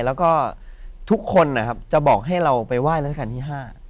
แล้วก็ทุกคนนะครับจะบอกให้เราไปไห้ราชการที่๕